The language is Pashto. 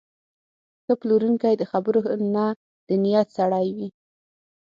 ښه پلورونکی د خبرو نه، د نیت سړی وي.